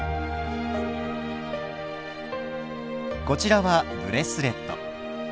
こちらはブレスレット。